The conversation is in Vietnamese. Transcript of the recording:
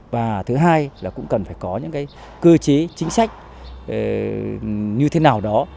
và thứ hai là cũng cần phải có những cái cơ chế chính sách như thế nào đó